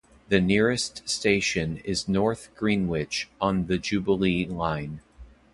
The nearest station is North Greenwich on the Jubilee line.